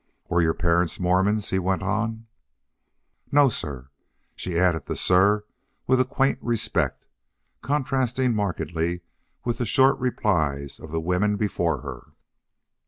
"Were your parents Mormons?" he went on. "No, sir." She added the sir with a quaint respect, contrasting markedly with the short replies of the women before her.